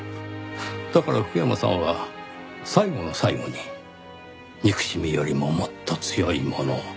だから福山さんは最後の最後に憎しみよりももっと強いもの。